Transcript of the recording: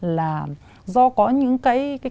là do có những cái